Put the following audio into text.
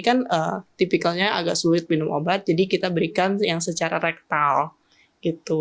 kan tipikalnya agak sulit minum obat jadi kita berikan yang secara rektal gitu